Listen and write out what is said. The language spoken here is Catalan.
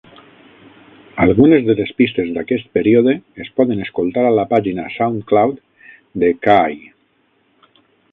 Algunes de les pistes d'aquest període es poden escoltar a la pàgina Soundcloud de Kaay.